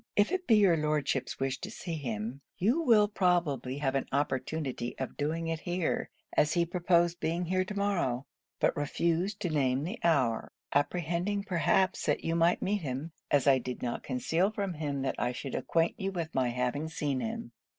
If it be your Lordship's wish to see him, you will probably have an opportunity of doing it here, as he proposed being here to morrow; but refused to name the hour, apprehending perhaps that you might meet him, as I did not conceal from him that I should acquaint you with my having seen him.